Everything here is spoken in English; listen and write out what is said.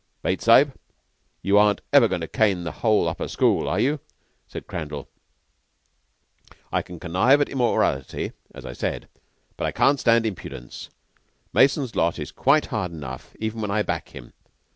"Bates Sahib, you aren't ever goin' to cane the whole Upper School, are you?" said Crandall. "I can connive at immorality, as I said, but I can't stand impudence. Mason's lot is quite hard enough even when I back him.